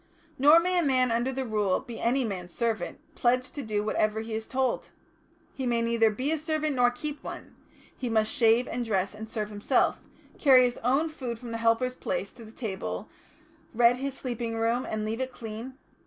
Nor may a man under the Rule be any man's servant, pledged to do whatever he is told. He may neither be a servant nor keep one; he must shave and dress and serve himself, carry his own food from the helper's place to the table, redd his sleeping room, and leave it clean...."